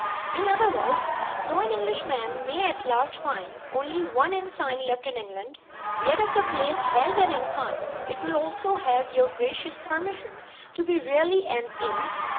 In other words, though an English man may at last find only one inn sign left in England, yet if the place has an inn sign, it will also have your gracious permission to be really an inn?"